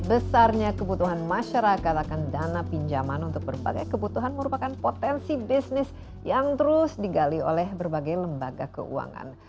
besarnya kebutuhan masyarakat akan dana pinjaman untuk berbagai kebutuhan merupakan potensi bisnis yang terus digali oleh berbagai lembaga keuangan